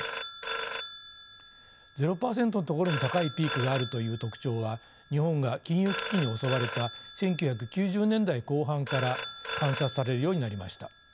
ゼロ％のところに高いピークがあるという特徴は日本が金融危機に襲われた１９９０年代後半から観察されるようになりました。